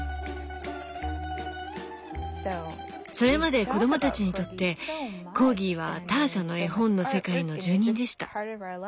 それまで子供たちにとってコーギーはターシャの絵本の世界の住人でした。